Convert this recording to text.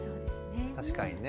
確かにね。